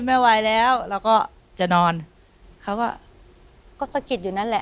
ไม่ไหวแล้วเราก็จะนอนเขาก็ก็สะกิดอยู่นั่นแหละ